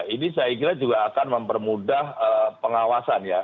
ini saya kira juga akan mempermudah pengawasan ya